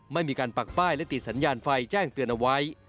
ไม่มีการปักป้ายและติดสัญญาณไฟแจ้งเตือนเอาไว้